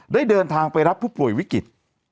เดินทางไปรับผู้ป่วยวิกฤต